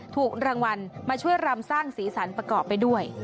ถูกรางวัลมาช่วยรำสร้างสีสันประกอบไปด้วย